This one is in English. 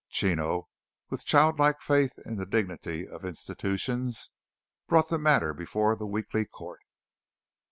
Chino, with childlike faith in the dignity of institutions, brought the matter before the weekly court.